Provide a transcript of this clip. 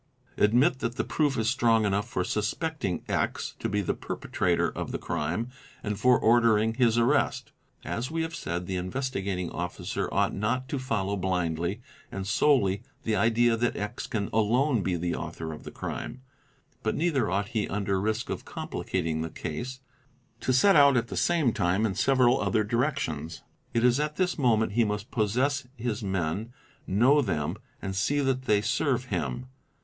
Admit that the proof is strong enough for suspecting X to be the perpetrator of the crime and for ordering his arrest. As we have said, the Investigat ing Officer ought not to follow blindly and solely the idea that X ean alone be the author of the crime; but neither ought he, under risk of complicating the case, to set out at the same time in several other directions. It is at this moment he must possess his men, know them, and see that they serve him.